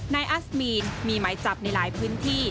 อัสมีนมีหมายจับในหลายพื้นที่